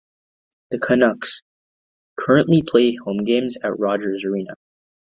The Canucks currently play home games at Rogers Arena.